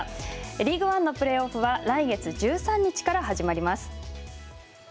リーグワンのプレーオフは来月１３日から始まります。